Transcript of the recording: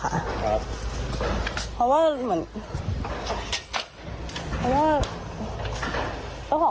คือได้ก็ไม่รู้เหมือนกันอะครับ